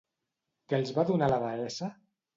Què els va donar la deessa?